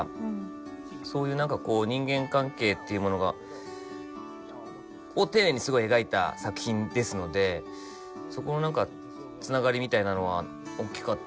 そういう人間関係っていうものを丁寧に描いた作品ですのでそこのつながりみたいなのはおっきかったですね。